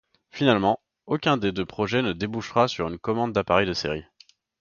Finalement, aucun des deux projets ne déboucha sur une commande d'appareils de série.